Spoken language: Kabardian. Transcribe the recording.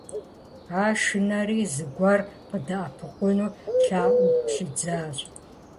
Ар шынэри, зыгуэр къыдэӀэпыкъуну лъаӀуэу щӀидзащ.